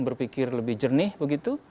berpikir lebih jernih begitu